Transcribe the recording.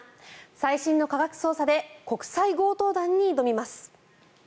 最新の科学捜査で国際強盗団に挑みます。